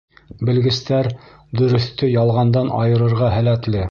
Белгестәр дөрөҫтө ялғандан айырырға һәләтле.